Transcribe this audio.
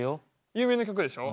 有名な曲でしょ？